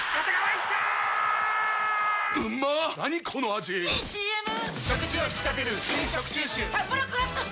⁉いいＣＭ！！